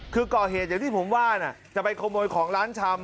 คือก่อเหตุอย่างที่ผมว่าจะไปขโมยของร้านชำ